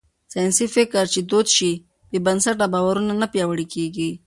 ساينسي فکر چې دود شي، بې بنسټه باورونه نه پياوړي کېږي.